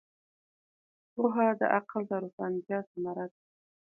پوهه د عقل د روښانتیا ثمره ده.